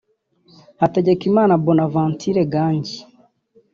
Hategekimana Bonaventure Gangi